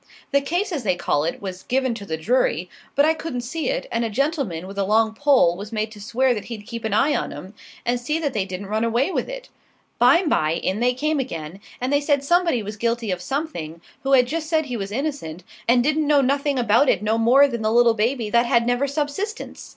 The case, as they call it, was given to the jury, but I couldn't see it, and a gentleman with a long pole was made to swear that he'd keep an eye on 'em, and see that they didn't run away with it. Bimeby in they came again, and they said somebody was guilty of something, who had just said he was innocent, and didn't know nothing about it no more than the little baby that had never subsistence.